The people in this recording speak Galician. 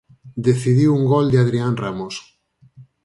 Decidiu un gol de Adrián Ramos.